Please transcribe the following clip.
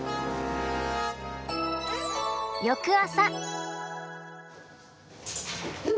翌朝。